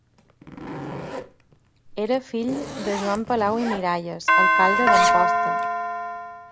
Era fill de Joan Palau i Miralles, alcalde d'Amposta.